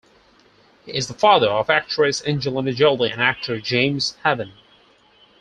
He is the father of actress Angelina Jolie and actor James Haven.